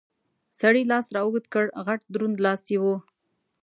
سړي لاس را اوږد کړ، غټ دروند لاس یې و.